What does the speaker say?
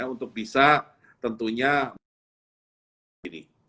untuk bisa tentunya mengalirkan covid sembilan belas